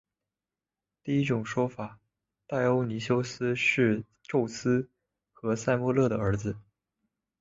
第一种说法戴欧尼修斯是宙斯和塞墨勒的儿子。